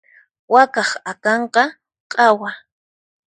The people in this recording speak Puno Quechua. Wakaq akanqa q'awa.